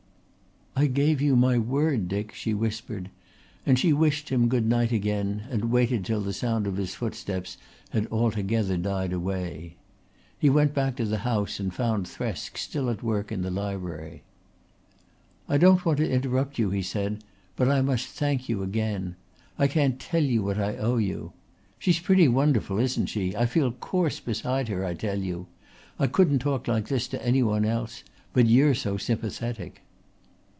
"I gave you my word, Dick," she whispered and she wished him good night again and waited till the sound of his footsteps had altogether died away. He went back to the house and found Thresk still at work in the library. "I don't want to interrupt you," he said, "but I must thank you again. I can't tell you what I owe you. She's pretty wonderful, isn't she? I feel coarse beside her, I tell you. I couldn't talk like this to any one else, but you're so sympathetic."